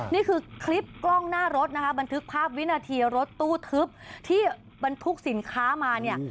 นี่คือคลิปกล้องหน้ารถนะคะบันทึกภาพวินาทีรถตู้ทึบที่บรรทุกสินค้ามาเนี่ย